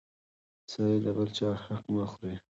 سړی د بل چا حق نه خوري!